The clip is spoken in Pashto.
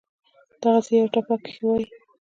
دغسې پۀ يوه ټپه کښې وائي: